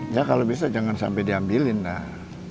ya kalau bisa jangan sampai diambilin dah